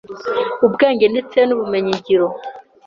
ubwenge ndetse n’ubumenyingiro